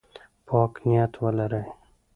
پاک نیت ولرئ.